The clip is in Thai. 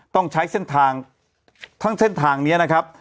ต้องใช้เส้นทางทั้งเส้นทางนี้นะครับ